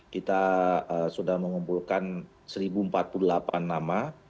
kita sudah mengumpulkan seribu empat puluh delapan nama